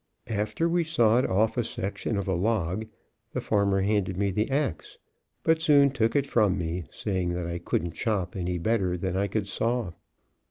After we sawed off a section of a log, the farmer handed me the axe, but soon took it from me, saying that I couldn't chop any better than I could saw.